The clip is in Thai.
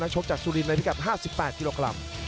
ชกจากสุรินในพิกัด๕๘กิโลกรัม